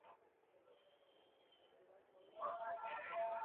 hali hii itaendelea naelezwa kwamba